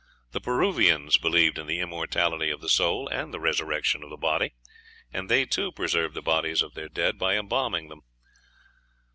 The Peruvians believed in the immortality of the soul and the resurrection of the body, and they too preserved the bodies of their dead by embalming them.